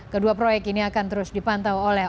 kedua proyek ini akan terus dipantau oleh